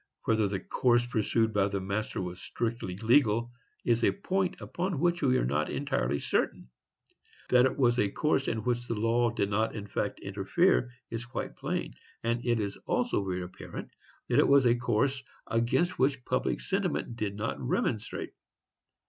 Whether the course pursued by the master was strictly legal is a point upon which we are not entirely certain; that it was a course in which the law did not in fact interfere is quite plain, and it is also very apparent that it was a course against which public sentiment did not remonstrate.